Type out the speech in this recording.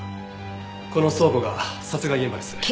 この倉庫が殺害現場です。